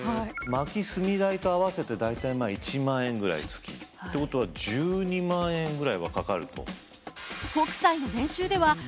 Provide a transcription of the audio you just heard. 薪・炭代と合わせて大体１万円ぐらい月。ってことは１２万円ぐらいはかかると。